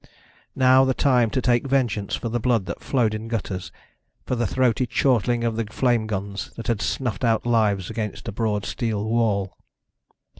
Now the time to take vengeance for the blood that flowed in gutters, for the throaty chortling of the flame guns that had snuffed out lives against a broad steel wall.